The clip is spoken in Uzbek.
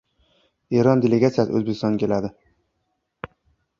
Eron delegatsiyasi O‘zbekistonga keladi